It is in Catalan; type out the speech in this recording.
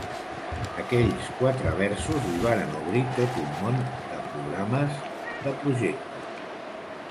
Aquells quatre versos li varen obrir tot un món de programes, de projectes.